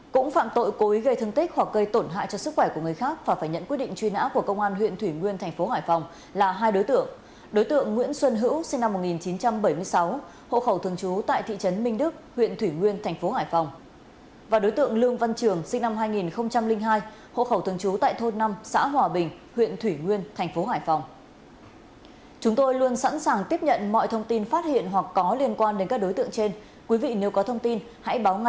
cũng phạm tội cố ý gây thương tích hoặc gây tổn hại cho sức khỏe của người khác và phải nhận quyết định truy nã của công an huyện thủy nguyên tp hải phòng là hai đối tượng